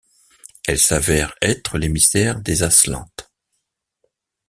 Elle s'avère être l'émissaire des Aslantes.